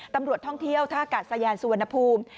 ตำรวจท่องเที่ยวท่ากาศยานสุวรรณภูมิ